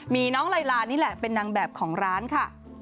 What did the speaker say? มีน้องไลลานี่แหละเป็นนางแบบของร้านค่ะ